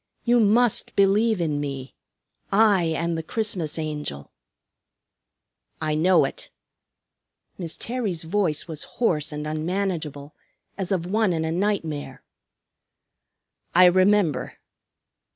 You must believe in me. I am the Christmas Angel." "I know it." Miss Terry's voice was hoarse and unmanageable, as of one in a nightmare. "I remember."